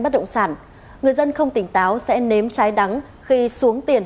bất động sản người dân không tỉnh táo sẽ nếm trái đắng khi xuống tiền